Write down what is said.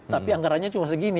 tapi anggarannya cuma segini